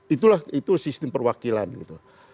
itulah sistem perwakilan gitu